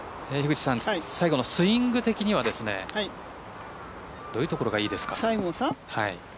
西郷のスイング的にはどういうところがいいですか？